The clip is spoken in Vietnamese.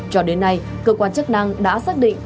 cho đến nay cơ quan chức năng đã xác định